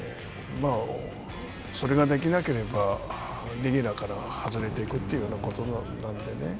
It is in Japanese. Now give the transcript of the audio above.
それができなければレギュラーから外れていくというようなことなんでね。